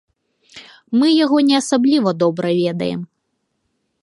Мы яго не асабліва добра ведаем.